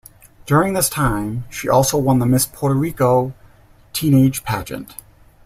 During this time she also won the "Miss Puerto Rico Teenage pageant".